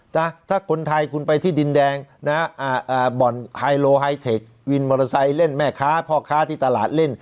ถ้าคนไทยคุณไปที่ดินแดงนะบ่อนไฮโลไฮเทควินมอเตอร์ไซค์เล่นแม่ค้าพ่อค้าที่ตลาดเล่น